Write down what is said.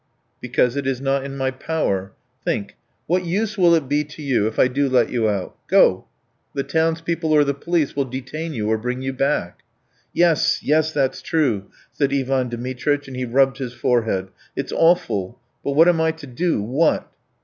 "Because it is not in my power. Think, what use will it be to you if I do let you out? Go. The townspeople or the police will detain you or bring you back." "Yes, yes, that's true," said Ivan Dmitritch, and he rubbed his forehead. "It's awful! But what am I to do, what?"